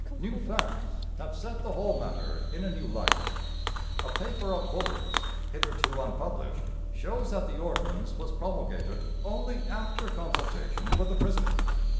New facts have set the whole matter in a new light. A paper of Buller's, hitherto unpublished, shows that the ordinance was promulgated only after consultation with the prisoners.